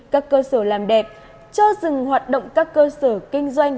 các cơ sở làm đẹp cho dừng hoạt động các cơ sở kinh doanh